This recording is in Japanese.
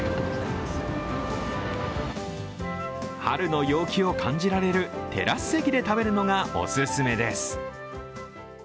春の陽気を感じられるテラス席で食べるのがお勧めです。